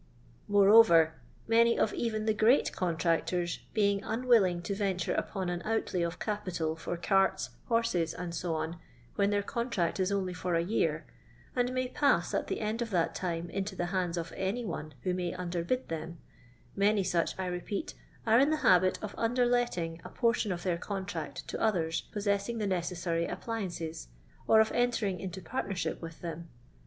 Moreover, many of even the "great contractors" being un willing to Tenture upon an outlay of capital for carts, horses, &c, when their contract is only for a year, and may pass at the end of that time into the hands of any one who may nnderbid them — many such, I repeat, are in the habit of underletting a portion of their contract to others possessing the necessary appliances, or of entering into partnership with them.